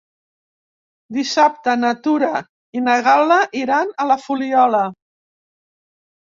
Dissabte na Tura i na Gal·la iran a la Fuliola.